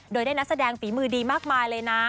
โดยได้นักแสดงฝีมือดีมากมายเลยนะ